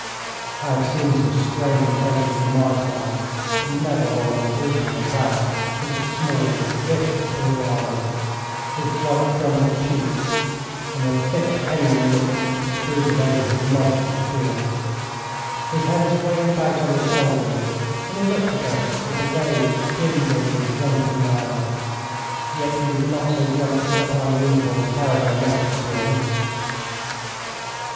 I have seen some strange faces in my time, but never one more brutal than that, with its small, vicious, blue eyes, its white, crumpled cheeks, and the thick, hanging lip which protruded over his monstrous beard. His head swayed about on his shoulders, and he looked at us with the vague, dim gaze of a drunken man. Yet he was not so drunk but that our uniforms carried their message to him.